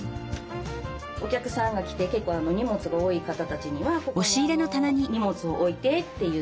お客さんが来て結構荷物が多い方たちには「ここに荷物を置いて」って言って。